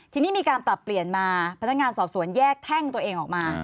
ทีนี้มีการปรับเปลี่ยนมาพนักงานสอบสวนแยกแท่งตัวเองออกมา